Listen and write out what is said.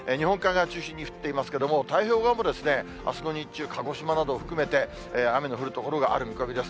降っていますけれども、太平洋側もあすの日中、鹿児島などを含めて雨の降る所がある見込みです。